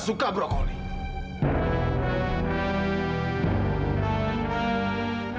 aku mau coba satu satunya alat tercapai